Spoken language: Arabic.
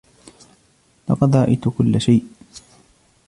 لقد رأيت كل شئ.